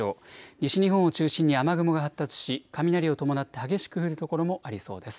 西日本を中心に雨雲が発達し雷を伴って激しく降る所もありそうです。